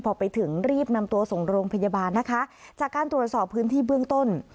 พอไปถึงรีบนำตัวส่งโรงพยาบาลนะคะจากการตรวจสอบพื้นที่เบื้องต้น